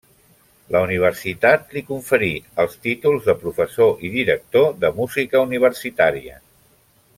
La Universitat li conferí els títols de professor i director de música universitària.